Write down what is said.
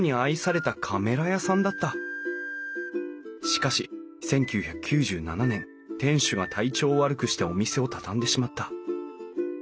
しかし１９９７年店主が体調を悪くしてお店を畳んでしまった。